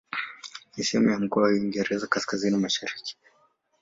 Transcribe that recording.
Ni sehemu ya mkoa wa Uingereza Kaskazini-Mashariki.